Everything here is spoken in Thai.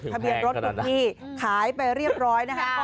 ทะเบียนรถคุณพี่ขายไปเรียบร้อยนะคะ